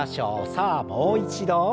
さあもう一度。